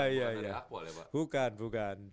bukan dari akpol ya pak bukan bukan